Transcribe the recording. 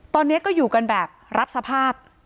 ตอนนี้ก็อยู่กันแบบรับสภาพ